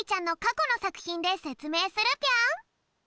このさくひんでせつめいするぴょん！